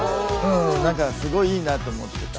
何かすごいいいなと思ってた。